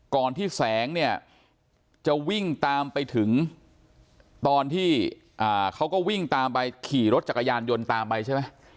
ที่แสงเนี่ยจะวิ่งตามไปถึงตอนที่เขาก็วิ่งตามไปขี่รถจักรยานยนต์ตามไปใช่ไหม